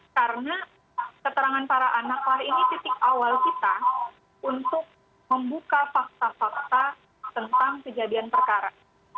karena keterangan para anaklah ini titik awal kita untuk membuka fakta fakta tentang kejadian perkara